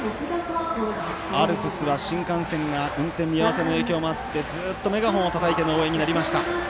アルプスは、新幹線が運転見合わせの影響もあってずっとメガホンをたたいての応援になりました。